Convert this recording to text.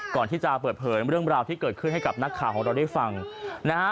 ก่อนที่จะเปิดเผยเรื่องราวที่เกิดขึ้นให้กับนักข่าวของเราได้ฟังนะฮะ